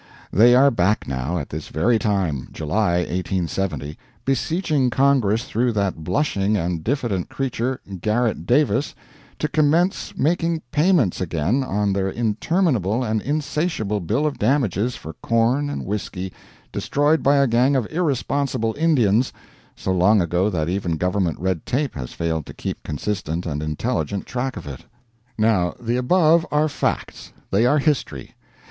They are back now at this very time (July, 1870), beseeching Congress through that blushing and diffident creature, Garrett Davis, to commence making payments again on their interminable and insatiable bill of damages for corn and whisky destroyed by a gang of irresponsible Indians, so long ago that even government red tape has failed to keep consistent and intelligent track of it. Now the above are facts. They are history.